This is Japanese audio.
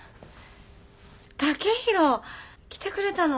剛洋来てくれたの？